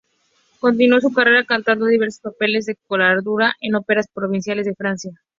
Continuó su carrera cantando diversos papeles de coloratura en óperas provinciales de Francia.